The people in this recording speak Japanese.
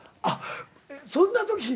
あっそんな時。